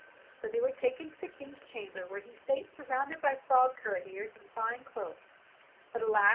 So they were taken to the King's Chamber where he sate surrounded by frog courtiers in fine clothes ; but alas